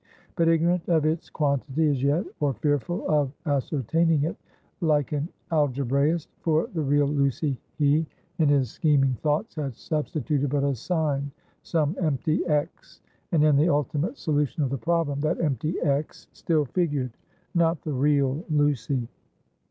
But ignorant of its quantity as yet, or fearful of ascertaining it; like an algebraist, for the real Lucy he, in his scheming thoughts, had substituted but a sign some empty x and in the ultimate solution of the problem, that empty x still figured; not the real Lucy.